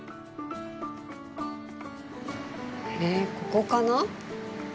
え、ここかな？